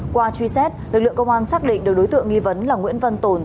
qua truy xét lực lượng công an xác định được đối tượng nghi vấn là nguyễn văn tồn